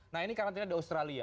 nah ini karena ini ada australia